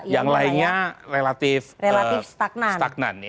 yang lainnya relatif stagnan